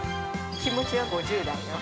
気持ちは５０代よ。